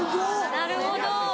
なるほど。